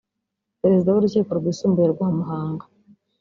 perezida w’urukiko rwisumbuye rwa Muhanga